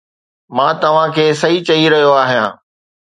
مان توهان کي صحيح چئي رهيو آهيان